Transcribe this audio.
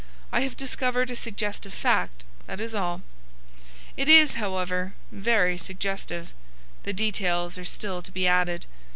I have discovered a suggestive fact, that is all. It is, however, very suggestive. The details are still to be added.